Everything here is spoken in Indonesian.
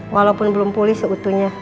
walaupun belum pulih seutuhnya